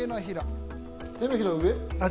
手のひらは上。